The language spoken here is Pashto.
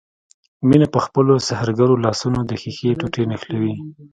مينه په خپلو سحرګرو لاسونو د ښيښې ټوټې نښلوي.